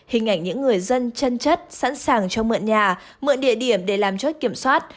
hình ảnh những người dân chân chất sẵn sàng cho mượn nhà mượn địa điểm để làm chốt kiểm soát